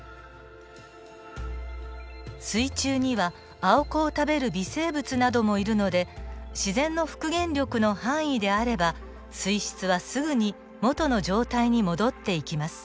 水中にはアオコを食べる微生物などもいるので自然の復元力の範囲であれば水質はすぐに元の状態に戻っていきます。